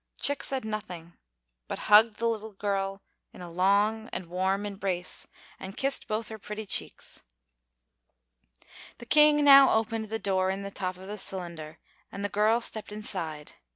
Chick said nothing, but hugged the little girl in a long and warm embrace and kissed both her pretty cheeks. The King now opened the door in the top of the cylinder and the girl stepped inside.